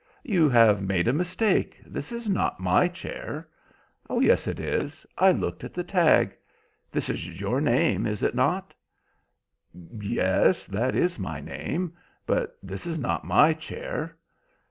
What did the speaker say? "You have made a mistake. That is not my chair." "Oh yes, it is. I looked at the tag. This is your name, is it not?" "Yes, that is my name; but this is not my chair."